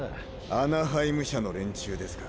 「アナハイム社」の連中ですか？